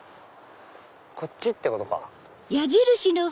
こっちってことか。